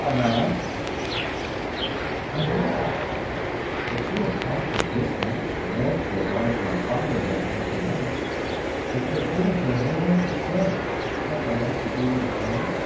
"Anan?" "I mean, Pathfinder, that you have talked of this match more to oblige my father than anything else; that your feelings are no way concerned, let my answer be what it may?"